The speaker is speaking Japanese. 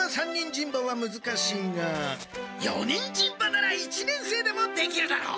人馬はむずかしいが四人人馬なら一年生でもできるだろう。